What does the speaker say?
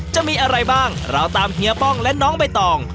จะมีอะไรบ้างเราตามเฮียป้องและน้องใบตอง